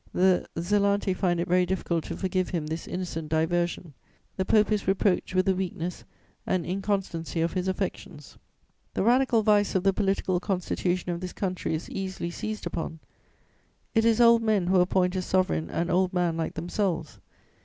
The zelanti find it very difficult to forgive him this innocent diversion. The Pope is reproached with the weakness and inconstancy of his affections. "The radical vice of the political constitution of this country is easily seized upon: it is old men who appoint as sovereign an old man like themselves.